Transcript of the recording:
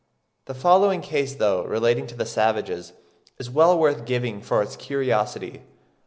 The following case, though relating to savages, is well worth giving for its curiosity.